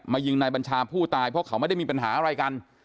ยิงนายบัญชาผู้ตายเพราะเขาไม่ได้มีปัญหาอะไรกัน